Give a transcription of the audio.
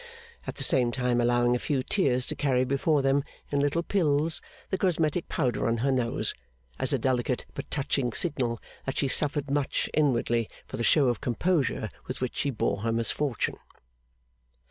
at the same time allowing a few tears to carry before them, in little pills, the cosmetic powder on her nose; as a delicate but touching signal that she suffered much inwardly for the show of composure with which she bore her misfortune.